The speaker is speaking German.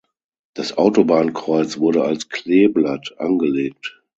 Das Autobahnkreuz wurde als Kleeblatt angelegt.